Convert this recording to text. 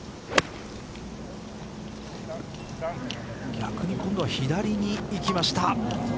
逆に今度は左にいきました。